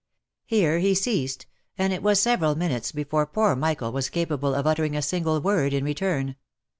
Here he ceased, and it was several minutes before poor Michael was capable of uttering a single word in return.